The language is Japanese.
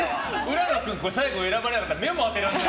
浦野君、最後選ばれなかったら目も当てられない。